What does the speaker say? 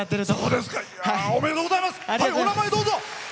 お名前、どうぞ。